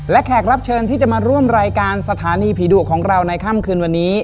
และแขกรับเชิญที่จะมาร่วมรายการสถานีผีดุของเราในค่ำคืนวันนี้